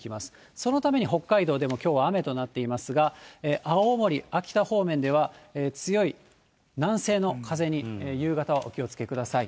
そのために北海道でも、きょうは雨となっていますが、青森、秋田方面では、強い南西の風に、夕方はお気をつけください。